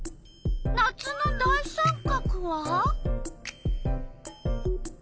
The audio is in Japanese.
夏の大三角は？